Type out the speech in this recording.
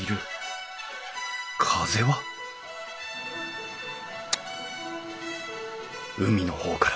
風は海の方から。